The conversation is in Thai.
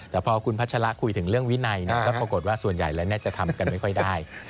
แต่พอคุณพัชระคุยถึงเรื่องวินัยก็ปรากฏว่าส่วนใหญ่แล้วจะทำกันไม่ค่อยได้